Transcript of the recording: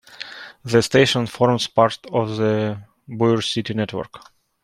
The station forms part of the Bauer City network.